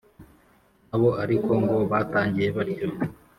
nabo ariko ngo batangiye batyo,